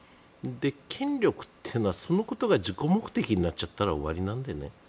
権力っていうのは、そのことが自己目的になっちゃったら終わりなんでね。